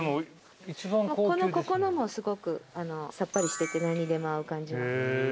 ここのもすごくさっぱりしてて何にでも合う感じ。